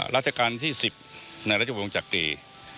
รัฐการณ์ที่๑๐ในรัชบุรุงจักรี